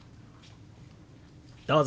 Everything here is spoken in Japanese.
どうぞ！